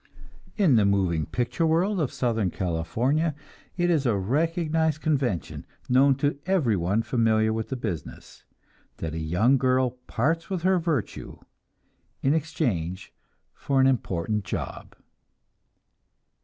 In the moving picture world of Southern California it is a recognized convention, known to everyone familiar with the business, that a young girl parts with her virtue in exchange for an important job.